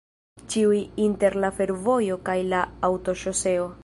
Ĉiuj inter la fervojo kaj la aŭtoŝoseo.